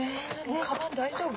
かばん大丈夫？